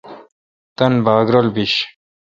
تان باگ رل بیش۔